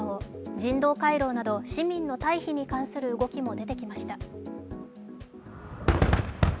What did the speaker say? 人道回廊など市民の退避に関する動きも出てきました。